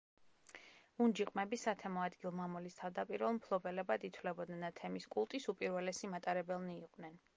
უნჯი ყმები სათემო ადგილ-მამულის თავდაპირველ მფლობელებად ითვლებოდნენ და თემის კულტის უპირველესი მატარებელნი იყვნენ.